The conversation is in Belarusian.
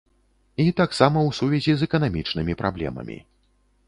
І таксама ў сувязі з эканамічнымі праблемамі.